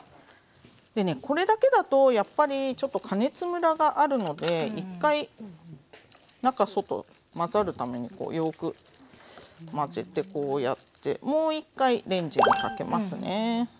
でねこれだけだとやっぱりちょっと加熱むらがあるので１回中外混ざるためによく混ぜてこうやってもう１回レンジにかけますね。